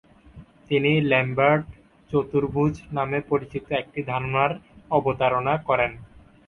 তিনি ল্যম্বার্ট চতুর্ভূজ নামে পরিচিত একটি ধারণার অবতারণা করেন।